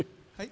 はい？